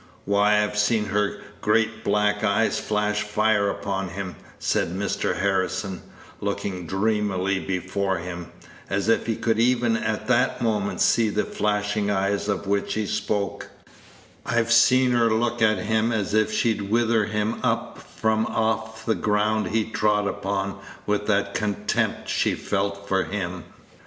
Why, I've seen her great black eyes flash fire upon him," said Mr. Harrison, looking dreamily before him, as if he could even at that moment see the flashing eyes of which he spoke "I've seen her look at him as if she'd wither him up from off the ground he trod upon with that contempt she felt for him."